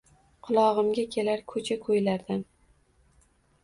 Qulog’imga kelar ko’cha-ko’ylardan